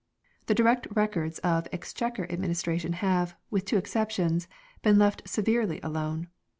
The direct Re cords of Exchequer administration have, with two exceptions, 1 been left severely alone.